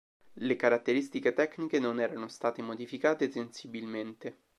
Le caratteristiche tecniche non erano state modificate sensibilmente.